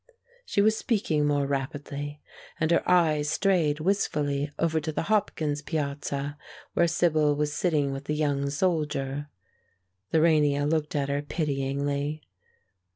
She was speaking more rapidly, and her eyes strayed wistfully over to the Hopkins piazza, where Sibyl was sitting with the young soldier. Lorania looked at her pityingly.